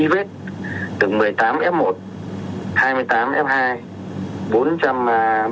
ban chỉ đạo đã chỉ đạo thân tốc